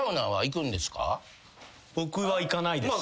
僕は行かないです。